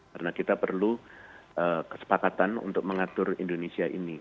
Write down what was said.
karena kita perlu kesepakatan untuk mengatur indonesia ini